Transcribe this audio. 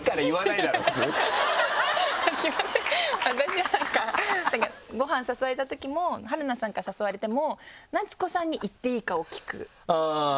私はなんかごはん誘われたときも春菜さんから誘われても夏子さんに行っていいかを聞く。